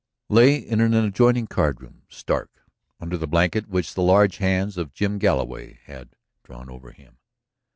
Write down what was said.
. lay in an adjoining card room, stark under the blanket which the large hands of Jim Galloway had drawn over him.